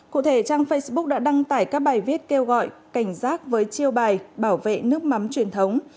cụ thể trang facebook đã đăng tải các bài viết kêu gọi cảnh giác với chiêu bài bảo vệ nước mắm truyền thống